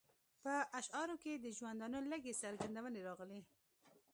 په اشعارو کې یې د ژوندانه لږې څرګندونې راغلې.